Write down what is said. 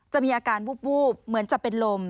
มีอาการวูบเหมือนจะเป็นลม